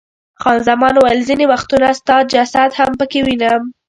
خان زمان وویل، ځیني وختونه ستا جسد هم پکې وینم.